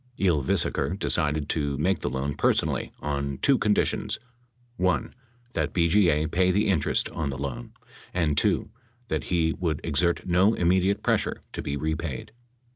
Ylvisaker decided to make the loan personally on two conditions: (1) That BGA pay the interest on the loan; and (2) that he would exert no immediate pressure to be repaid.